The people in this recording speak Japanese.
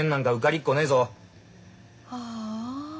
はあ。